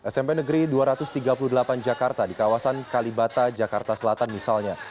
smp negeri dua ratus tiga puluh delapan jakarta di kawasan kalibata jakarta selatan misalnya